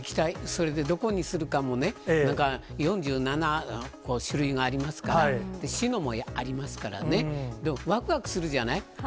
それでどこにするかもね、なんか４７種類がありますから、市のもありますからね、でもわくわくするじゃない？